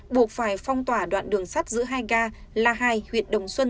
buộc phải phong tỏa đoạn đường sắt giữa hai ga la hai huyện đồng xuân